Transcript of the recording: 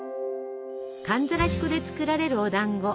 寒ざらし粉で作られるおだんご。